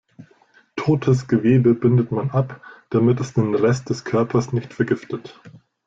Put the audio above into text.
Totes Gewebe bindet man ab, damit es den Rest des Körpers nicht vergiftet.